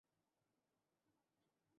এবং স্বপ্ন শেষ হয়ে যায়।